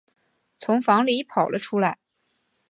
从房里跑了出来